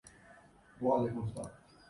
نون لیگ برے دنوں میں گھری ہوئی ہے۔